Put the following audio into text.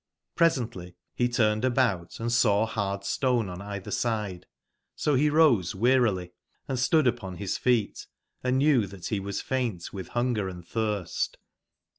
presently be turned about and saw bard stone on eitber side, so be rose wearily .and stood upon bis feet, and knew tbat be was faint fwitb bungerand tbirst.